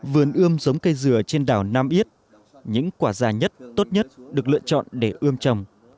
vườn ươm giống cây dừa trên đảo nam yết những quả già nhất tốt nhất được lựa chọn để ươm trồng